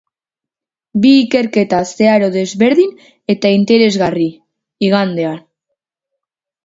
Bi ikerketa zeharo desberdin eta interesgarri, igandean.